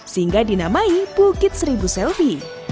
sehingga dinamai bukit seribu selfie